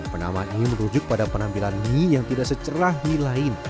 penamanya menunjuk pada penampilan mie yang tidak secerah mie lain